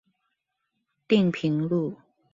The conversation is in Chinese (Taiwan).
碇坪路